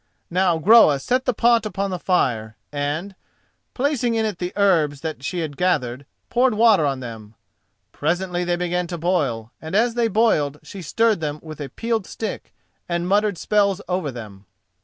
Now Groa set the pot upon the fire, and, placing in it the herbs that she had gathered, poured water on them. Presently they began to boil and as they boiled she stirred them with a peeled stick and muttered spells over them.